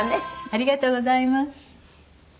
ありがとうございます。